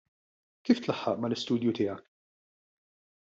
Kif tlaħħaq mal-istudju tiegħek?